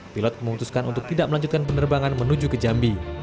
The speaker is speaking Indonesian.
pilot memutuskan untuk tidak melanjutkan penerbangan menuju ke jambi